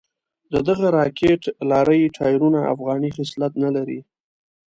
ددغې راکېټ لارۍ ټایرونه افغاني خصلت نه لري.